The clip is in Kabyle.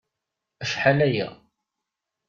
Acḥal-aya.